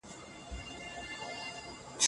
تصوير پر مخ ګنډلئ